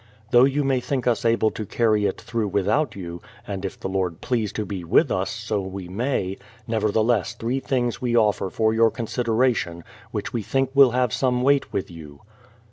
Though you may think us able to carry it through without you, — and if the Lord please to be with us, so Ave may, — nevertheless three things we offer for j our consideration, which we think will have some weight with you.